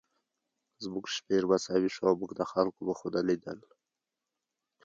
زموږ شمېر مساوي شو او موږ د خلکو مخونه لیدل